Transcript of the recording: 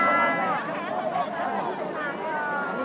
และที่อยู่ด้านหลังคุณยิ่งรักนะคะก็คือนางสาวคัตยาสวัสดีผลนะคะ